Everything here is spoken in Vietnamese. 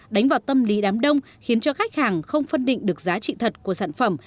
đánh vào tâm lý đám đông khiến cho khách hàng không phân định được giá trị thật của sản phẩm